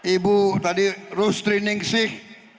ibu tadi rustri ningsih